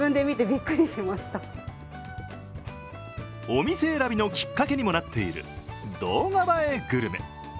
お店選びのきっかけにもなっている動画映えグルメ。